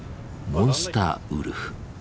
モンスターウルフ。